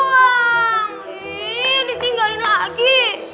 ih ditinggalin lagi